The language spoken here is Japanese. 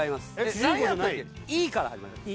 「い」から始まります